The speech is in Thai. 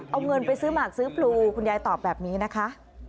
เอาเงินไปซื้อหมากซื้อพลูคุณยายตอบแบบนี้นะคะ